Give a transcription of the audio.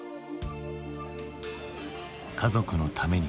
家族のために。